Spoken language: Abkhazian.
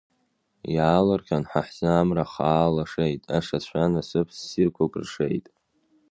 Иаалырҟьан, ҳа ҳзы амра хаа лашеит, ашацәа насыԥ-ссирқәак ршеит.